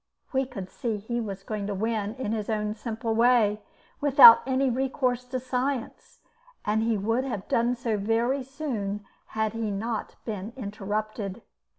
We could see he was going to win in his own simple way, without any recourse to science, and he would have done so very soon had he not been interrupted.